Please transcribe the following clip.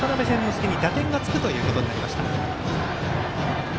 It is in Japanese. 亮に打点がつくということになりました。